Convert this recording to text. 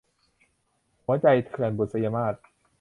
หัวใจเถื่อน - บุษยมาส